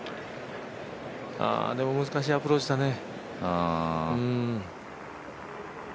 でも難しいアプローチだね。